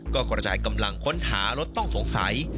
ก็กระจายกำลังค้นหารถต้องสงสัย